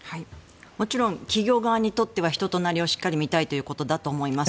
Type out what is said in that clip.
もちろん企業側にとっては人となりをしっかり見たいということだと思います。